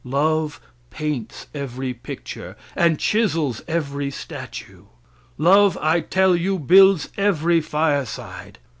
Love paints every picture, and chisels every statue; love, I tell you, builds every fireside.